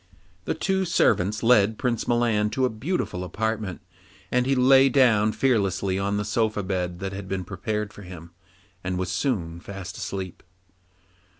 Then two servants led Prince Milan to a beautiful apartment, and he lay down fearlessly on the soft bed that had been prepared for him, and was soon fast asleep.